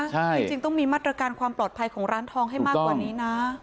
จริงต้องมีมาตรการความปลอดภัยของร้านทองให้มากกว่านี้นะ